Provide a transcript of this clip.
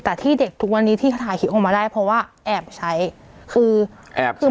แต่ที่เด็กทุกวันนี้ที่เขาถ่ายคลิปออกมาได้เพราะว่าแอบใช้คือแอบคือ